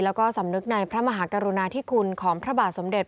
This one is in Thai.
แล้วก็สำนึกในพระมหากรุณาธิคุณของพระบาทสมเด็จ